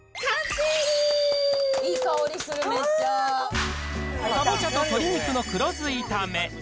いい香りする、かぼちゃと鶏肉の黒酢炒め。